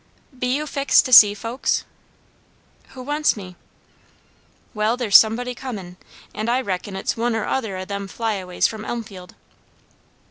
"Be you fixed to see folks?" "Who wants me?" "Well, there's somebody comin'; and I reckon it's one or other o' them fly aways from Elmfield."